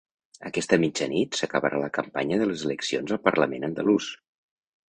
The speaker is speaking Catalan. Aquesta mitjanit s’acabarà la campanya de les eleccions al parlament andalús.